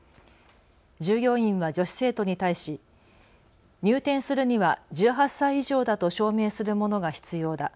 従業員は女子生徒に対し入店するには１８歳以上だと証明するものが必要だ。